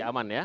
masih aman ya